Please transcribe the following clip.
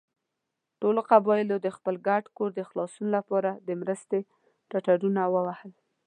ټولو قبيلو د خپل ګډ کور د خلاصون له پاره د مرستې ټټرونه ووهل.